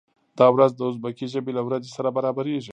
دا ورځ د ازبکي ژبې له ورځې سره برابریږي.